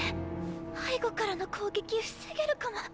背後からの攻撃防げるかも。